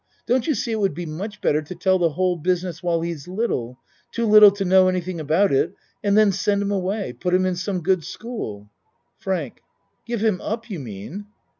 Don't you see it would be much better to tell the whole business while he's little too little to know any thing about it and then send him away put him :n some good school? FRANK Give him up, you mean?